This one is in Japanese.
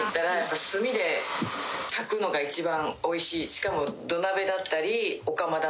しかも。